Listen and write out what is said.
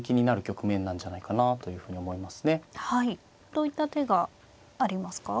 どういった手がありますか。